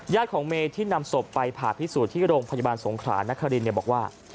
ของเมย์ที่นำศพไปผ่าพิสูจน์ที่โรงพยาบาลสงขรานครินบอกว่า